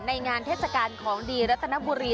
งานเทศกาลของดีรัตนบุรี